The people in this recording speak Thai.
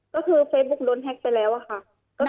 ก็คือเฟซบุ๊กล้นแฮ็กไปแล้วอะค่ะ